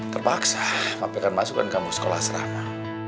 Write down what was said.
terpaksa papi akan masukkan kamu ke sekolah asrama